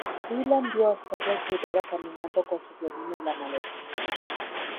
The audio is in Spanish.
Dylan vio a Scarlet Rivera caminando con su violín en la maleta.